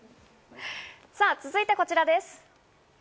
さぁ続いてこちらです。